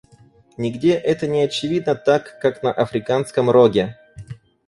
Нигде это не очевидно так, как на Африканском Роге.